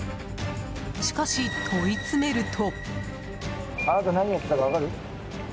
しかし、問い詰めると。